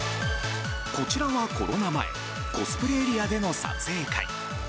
こちらがコロナ前コスプレエリアでの撮影会。